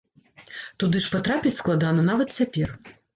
Туды ж патрапіць складана нават цяпер.